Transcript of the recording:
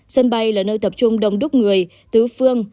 sân bay là nơi tập trung đông đúc người tứ phương